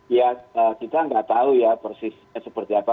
ya kita nggak tahu ya persisnya seperti apa